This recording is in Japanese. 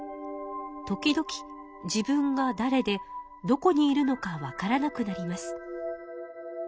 時々自分がだれでどこにいるのかわからなくなります。